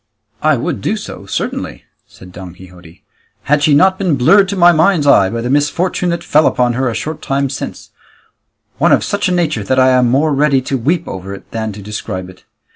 "I would do so certainly," said Don Quixote, "had she not been blurred to my mind's eye by the misfortune that fell upon her a short time since, one of such a nature that I am more ready to weep over it than to describe it.